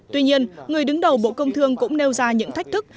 tuy nhiên người đứng đầu bộ công thương cũng nêu ra những thách thức